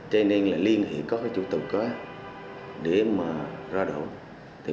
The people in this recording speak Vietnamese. cho nên liên hệ có chủ tàu có để ra đậu